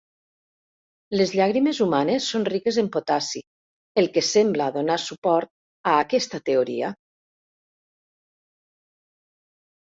Les llàgrimes humanes són riques en potassi, el que sembla donar suport a aquesta teoria.